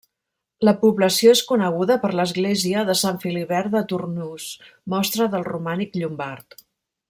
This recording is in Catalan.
La població és coneguda per l'església de Sant Filibert de Tournus, mostra del romànic llombard.